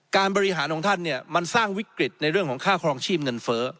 การบริหารของท่านเนี่ยมันสร้างวิกฤตในเรื่องของค่าครองชีพเงินเฟ้อ